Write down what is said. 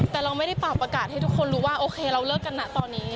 แต่เราไม่ได้ปากประกาศให้ทุกคนรู้ว่าโอเคเราเลิกกันนะตอนนี้